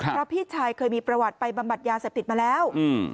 เพราะพี่ชายเคยมีประวัติไปบำบัดยาเสพติดมาแล้ว